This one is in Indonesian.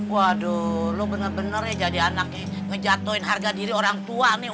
waduh lo bener bener ya jadi anak ngejatuhin harga diri orang tua nih